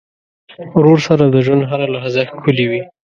ورور سره د ژوند هره لحظه ښکلي وي.